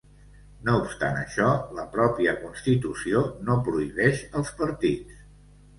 No obstant això, la pròpia constitució no prohibeix els partits.